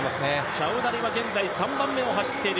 チャウダリは現在３番目を走っている。